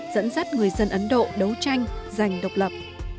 dẫn dắt người dân ấn độ đấu tranh giành độc lập